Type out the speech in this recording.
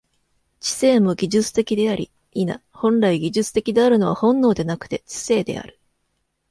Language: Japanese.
知性も技術的であり、否、本来技術的であるのは本能でなくて知性である。